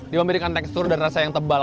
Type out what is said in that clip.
dia memberikan tekstur dan rasa yang tebal